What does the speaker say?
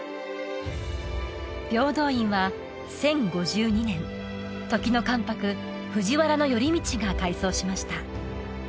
平等院は１０５２年時の関白藤原頼通が開創しました